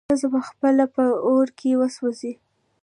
ښځه به پخپله هم په اور کې وسوځي.